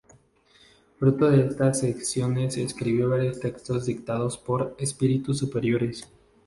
Fruto de esas sesiones escribió varios textos dictados por "espíritus superiores".